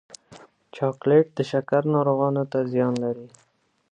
چاکلېټ د شکر ناروغانو ته زیان لري.